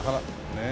ねえ。